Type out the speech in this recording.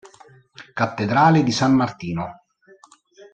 Cattedrale di San Martino